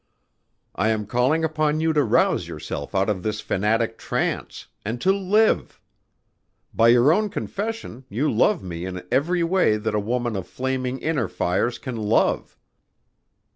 I am calling upon you to rouse yourself out of this fanatic trance and to live! By your own confession you love me in every way that a woman of flaming inner fires can love.